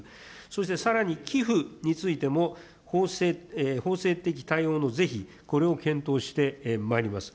そして、さらに寄付についても、法制的対応の是非、これを検討してまいります。